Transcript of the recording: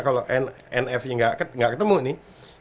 kalau nfc nggak ketemu nih